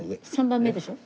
３番目でしょ？